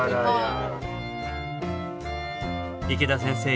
池田先生